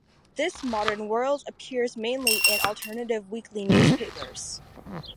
"This Modern World" appears mainly in alternative weekly newspapers.